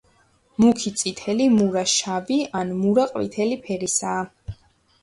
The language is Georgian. მუქი წითელი, მურა შავი ან მურა ყვითელი ფერისაა.